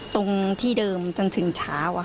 ตรงที่เดิมจนถึงเช้า